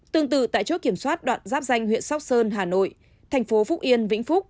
tương tự tại chốt kiểm soát đoạn giáp danh huyện sóc sơn hà nội thành phố phúc yên vĩnh phúc